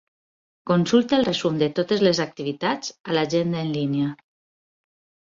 Consulta el resum de totes les activitats a l'agenda en línia.